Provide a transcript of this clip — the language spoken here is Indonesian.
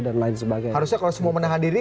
harusnya kalau semua menahan diri